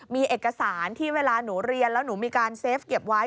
มีเอกสารที่เวลาหนูเรียนแล้วหนูมีการเซฟเก็บไว้